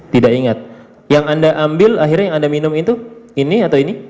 tidak ingat yang anda ambil akhirnya yang anda minum itu ini atau ini